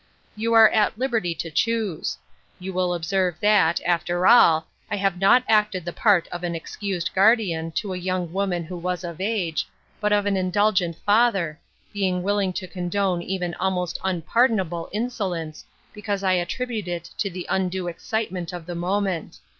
You are at liberty to choose. You will observe that, after all, I have not acted the part of an excused guardian to a young woman who was of age, but of an indulgent father, being willing to condone even almost unpardonable in solence, because I attribute it to the undue ex citement of the moment.